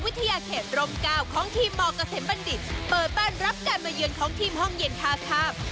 วิธีอาเขตรมเกลาของทีมมกสมบัณฑิตเปิดบ้านรับการเบยืนของทีมห้องเย็นคาคราบ